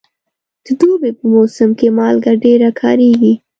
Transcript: د دوبي په موسم کې مالګه ډېره کارېږي.